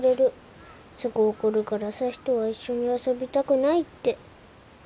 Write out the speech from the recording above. すぐ怒るから朝陽とは一緒に遊びたくないって。